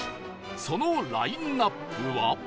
そのラインアップは